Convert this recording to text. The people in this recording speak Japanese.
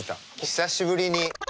久しぶりに。